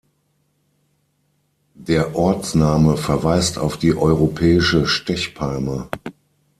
Der Ortsname verweist auf die Europäische Stechpalme.